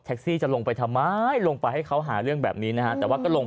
ซี่จะลงไปทำไมลงไปให้เขาหาเรื่องแบบนี้นะฮะแต่ว่าก็ลง